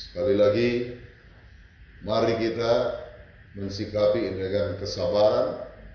kita mesti kaki indagang kesabaran